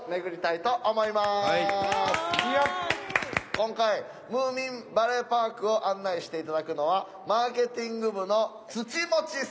今回ムーミンバレーパークを案内して頂くのはマーケティング部の土持さんです。